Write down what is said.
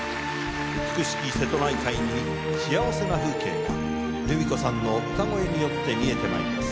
美しき瀬戸内海に幸せな風景がルミ子さんの歌声によって見えてまいります。